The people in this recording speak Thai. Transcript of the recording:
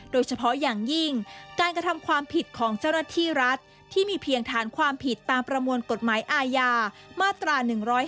โดยเฉพาะอย่างยิ่งการกระทำความผิดของเจ้าหน้าที่รัฐที่มีเพียงฐานความผิดตามประมวลกฎหมายอาญามาตรา๑๔